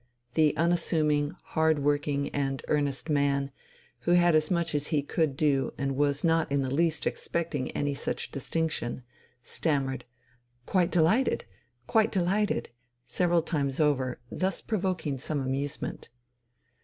The unassuming, hard working, and earnest man, who had as much as he could do and was not in the least expecting any such distinction, stammered "Quite delighted ... quite delighted" several times over, thus provoking some amusement.